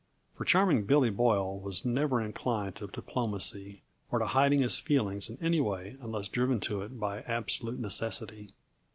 For Charming Billy Boyle was never inclined to diplomacy, or to hiding his feelings in any way unless driven to it by absolute necessity.